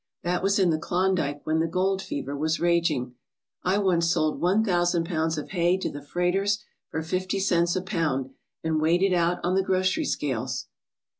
That was in the Klondike when the gold fever was raging. I once sold one thousand pounds of hay to the freighters for fifty cents a pound, and weighed it out on the grocery scales.